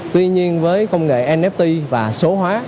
tuy nhiên với công nghệ nft và số hóa